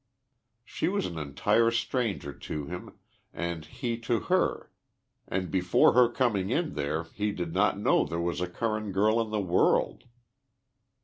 She was an entire stranger to him and he to her and before her coming in there he did not know there was a Curran girl in the world.